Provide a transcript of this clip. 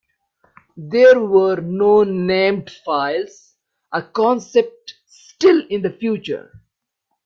There were no named files, a concept still in the future.